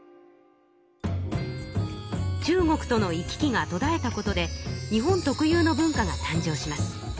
中国との行き来がとだえたことで日本特有の文化が誕生します。